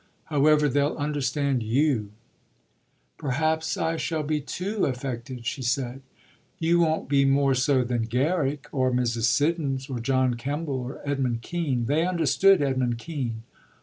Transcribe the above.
However, they'll understand you." "Perhaps I shall be too affected," she said. "You won't be more so than Garrick or Mrs. Siddons or John Kemble or Edmund Kean. They understood Edmund Kean.